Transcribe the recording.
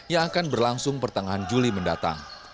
yang akan berlangsung pertengahan juli mendatang